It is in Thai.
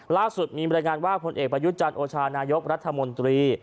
ล่าสุดมีบรรยายงานว่าผลเอกประยุจันทร์โอชานายกรัฐมนตรี